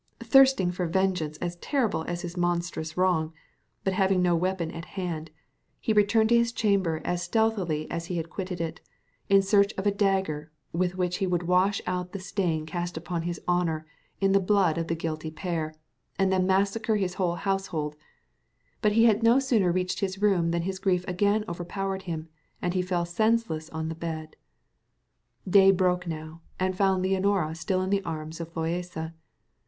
Thirsting for vengeance as terrible as his monstrous wrong, but having no weapon at hand, he returned to his chamber as stealthily as he had quitted it, in search of a dagger, with which he would wash out the stain cast upon his honour in the blood of the guilty pair, and then massacre his whole household; but he had no sooner reached his room than his grief again overpowered him, and he fell senseless on the bed. Day broke now, and found Leonora still in the arms of Loaysa.